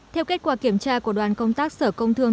theo kết quả kiểm tra của đoàn công tác sở công thương